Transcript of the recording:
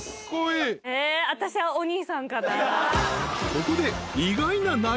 ［ここで］